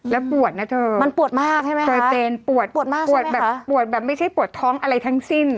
แล้วปวดนะเธอปวดมากใช่ไหมคะปวดแบบไม่ใช่ปวดท้องอะไรทั้งสิ้น